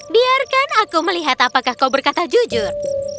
biarkan aku melihat apakah kau berkata jujur